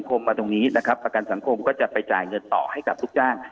ก็ให้ท่านไปจ่ายเงินต่อให้กับลูกจ้าง